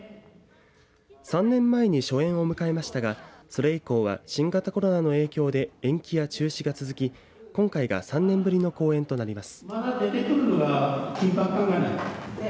３年前に初演を迎えましたがそれ以降は新型コロナの影響で延期や中止が続き今回が３年ぶりの公演となります。